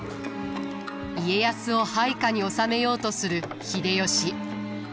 家康を配下に収めようとする秀吉。